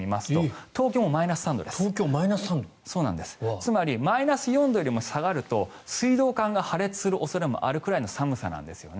つまりマイナス４度よりも下がると水道管が破裂する恐れもあるぐらいの寒さなんですよね。